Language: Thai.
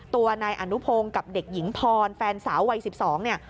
ตัวนายอนุพงศ์กับเด็กหญิงพรแฟนสาววัย๑๒เนี่ย